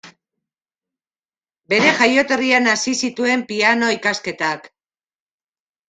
Bere jaioterrian hasi zituen piano-ikasketak.